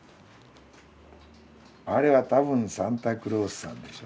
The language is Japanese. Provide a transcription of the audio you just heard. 「あれはたぶんサンタクロースさん」でしょう。